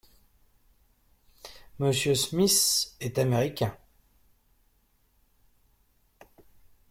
Monsieur Smith est américain ?